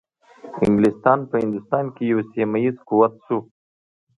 انګلیسان په هندوستان کې یو سیمه ایز قوت شو.